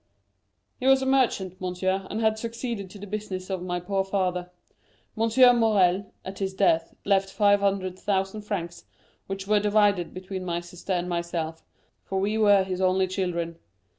"He was a merchant, monsieur, and had succeeded to the business of my poor father. M. Morrel, at his death, left 500,000 francs, which were divided between my sister and myself, for we were his only children.